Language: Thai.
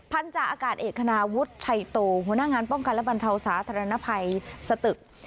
พันธาอากาศเอกคณาวุฒิชัยโตหัวหน้างานป้องกันและบรรเทาสาธารณภัยสตึก